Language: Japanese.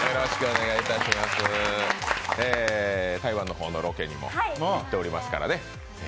台湾の方のロケにも行っていますからね。